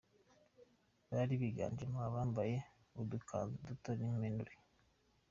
Bari biganjemo abambaye udukanzu duto n’impenure.